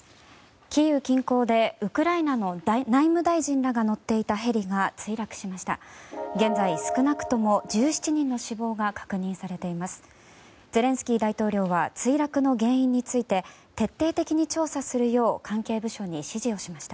キーウ近郊でウクライナの内務大臣らが乗っていたヘリが墜落しました。